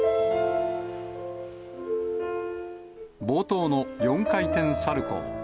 冒頭の４回転サルコー。